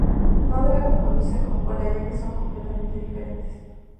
No debe confundirse con cola, ya que son completamente diferentes.